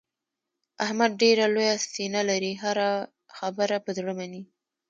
احمد ډېره لویه سینه لري. هره خبره په زړه مني.